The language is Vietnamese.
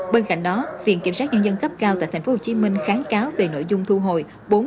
bên cạnh đó viện kiểm sát nhân dân cấp cao tại tp hcm kháng cáo về nội dung thu hồi